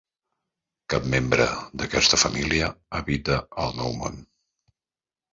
Cap membre d'aquesta família habita el Nou Món.